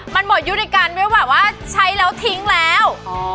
มันหมดยุในการด้วยแบบว่าใช้แล้วทิ้งแล้ว